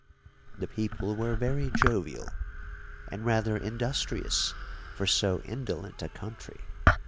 The people were very jovial, and rather industrious for so indolent a country.